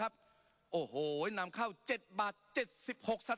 ปรับไปเท่าไหร่ทราบไหมครับ